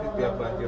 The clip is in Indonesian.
berarti pihak banjir